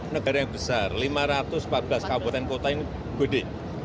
negara yang besar lima ratus empat belas kabupaten kota ini gede